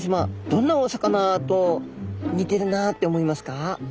どんなお魚と似てるなって思いますか？